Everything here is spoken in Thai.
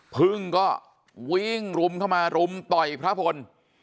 พึ่งก็วิ่งรุมเข้ามารุมต่อยพระพล